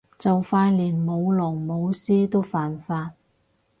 就快連舞龍舞獅都犯法